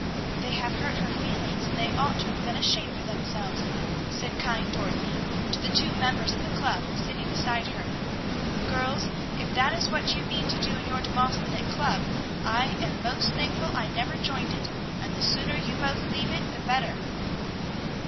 "They have hurt her feelings, and they ought to have been ashamed of themselves," said kind Dorothy to the two members of the club sitting beside her. "Girls, if that is what you mean to do in your Demosthenic Club, I am most thankful I never joined it, and the sooner you both leave it the better."